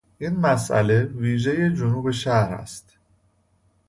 این مسئله ویژهی جنوب شهر است.